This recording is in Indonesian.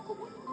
kamu di mana